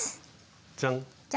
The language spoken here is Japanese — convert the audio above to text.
じゃん！